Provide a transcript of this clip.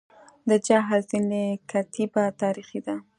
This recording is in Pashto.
د چهل زینې کتیبه تاریخي ده